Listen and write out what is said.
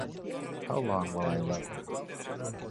How Long Will I Love You?